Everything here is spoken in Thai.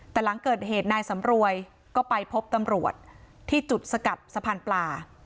แต่หลังเกิดเหตุนายสำรวยก็ไปพบตำรวจที่จุดสกัดสะพานปลา